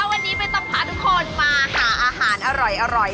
วันนี้ไม่ต้องพาทุกคนมาหาอาหารอร่อย